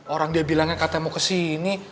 orang dia bilangnya katanya mau kesini